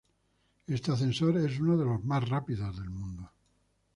Este ascensor es uno de los más rápidos del mundo.